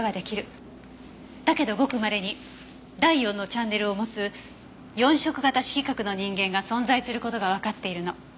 だけどごくまれに第４のチャンネルを持つ四色型色覚の人間が存在する事がわかっているの。